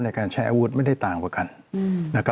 ในการใช้อาวุธไม่ได้ต่างกว่ากัน